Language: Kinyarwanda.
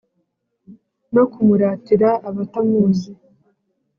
No kumuratira abatamuzi